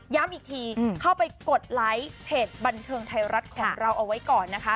อีกทีเข้าไปกดไลค์เพจบันเทิงไทยรัฐของเราเอาไว้ก่อนนะคะ